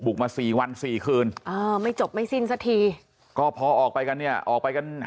บุกมา๔วัน๔คืนไม่จบไม่สิ้นสักทีก็พอออกไปกันเนี่ยออก